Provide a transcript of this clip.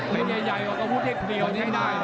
ในใหญ่เอาวุทธ์ให้เป็นภาย